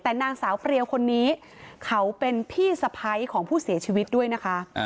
แต่นางสาวเปรียวคนนี้เขาเป็นพี่สะพ้ายของผู้เสียชีวิตด้วยนะคะ